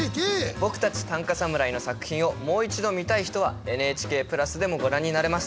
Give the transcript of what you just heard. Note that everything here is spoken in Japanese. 僕たち短歌侍の作品をもう一度見たい人はＮＨＫプラスでもご覧になれます。